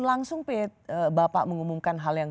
langsung bapak mengumumkan hal yang